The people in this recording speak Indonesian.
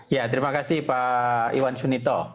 ya terima kasih pak iwan sunito